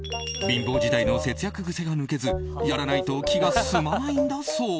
貧乏時代の節約癖が抜けずやらないと気が済まないんだそう。